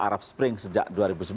arab spring sejak dua ribu sebelas